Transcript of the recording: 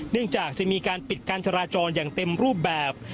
จากจะมีการปิดการจราจรอย่างเต็มรูปแบบ